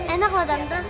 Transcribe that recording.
enak loh tante